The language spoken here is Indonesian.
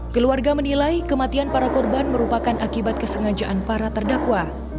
keluarga menilai kematian para korban merupakan akibat kesengajaan para terdakwa